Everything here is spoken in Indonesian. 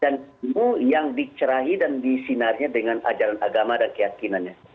dan semua yang dicerahi dan disinarnya dengan ajaran agama dan keyakinannya